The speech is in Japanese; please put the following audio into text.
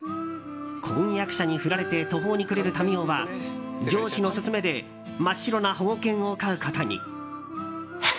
婚約者に振られて途方に暮れる民夫は上司の勧めで真っ白な保護犬を飼うことに。